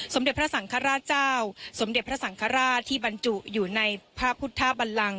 สมเด็จพระสังฆราชเจ้าสมเด็จพระสังฆราชที่บรรจุอยู่ในพระพุทธบันลัง